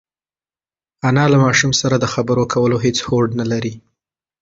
انا له ماشوم سره د خبرو کولو هېڅ هوډ نهلري.